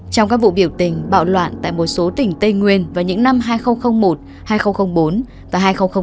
trong các vụ biểu tình bạo loạn tại một số tỉnh tây nguyên vào những năm hai nghìn một hai nghìn bốn và hai nghìn tám